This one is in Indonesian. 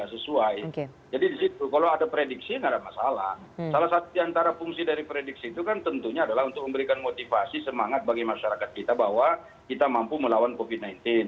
jadi kalau ada prediksi tidak ada masalah salah satu antara fungsi dari prediksi itu kan tentunya adalah untuk memberikan motivasi semangat bagi masyarakat kita bahwa kita mampu melawan covid sembilan belas